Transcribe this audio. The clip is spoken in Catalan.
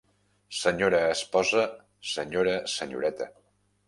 Sra. esposa senyora Senyoreta